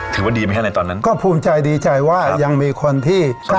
ถือว่าดีไหมฮะในตอนนั้นก็ภูมิใจดีใจว่ายังมีคนที่